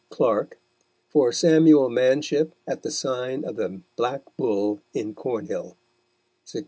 Clark, for Samuel Manship at the Sign of the Black Bull in Cornhil,_ 1687.